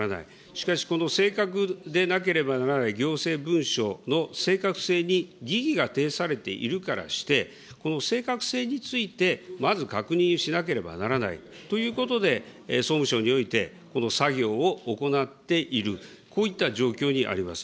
しかし、この正確でなければならない行政文書の正確性に疑義が呈されているからして、この正確性について、まず確認しなければならないということで、総務省において、この作業を行っている、こういった状況にあります。